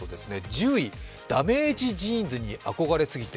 １０位、ダメージジーンズに憧れすぎて。